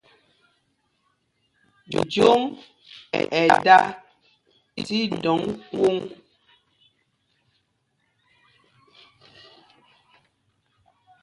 Njóŋ ɛ́ dā tí dɔ̌ŋ kwōŋ.